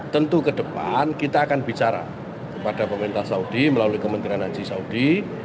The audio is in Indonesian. tentu ke depan kita akan bicara kepada pemerintah saudi melalui kementerian haji saudi